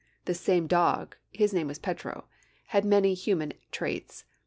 This same dog his name was Pedro had many human traits.